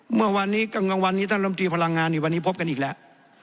เมื่อวานนี้กลางวันนี้ท่านลำตรีพลังงานวันนี้พบกันอีกแล้ว